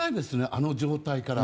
あの状態から。